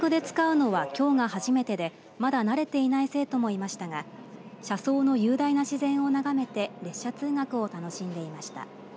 通学で使うのはきょうが初めてでまだ慣れていない生徒もいましたが車窓の雄大な自然を眺めて列車通学を楽しんでいました。